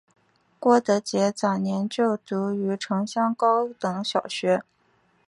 郭德洁早年就读于城厢高等小学。